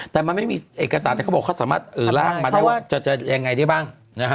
แต่มันไม่มีเอกสารแต่เขาบอกเขาสามารถร่างมาได้ว่าจะยังไงได้บ้างนะฮะ